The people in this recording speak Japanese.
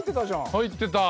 入ってた。